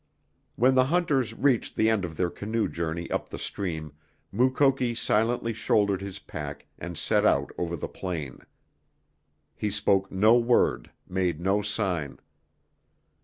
When the hunters reached the end of their canoe journey up the stream Mukoki silently shouldered his pack and set out over the plain. He spoke no word, made no sign.